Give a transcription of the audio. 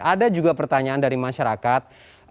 ada juga pertanyaan dari masyarakat